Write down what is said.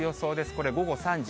これ、午後３時。